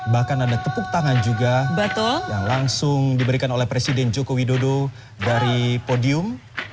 bahkan ada tepuk tangan juga yang langsung diberikan oleh presiden joko widodo dari podium